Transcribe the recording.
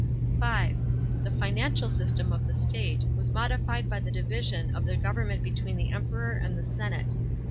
(5.) The financial system of the state was modified by the division of the government between the Emperor and the senate.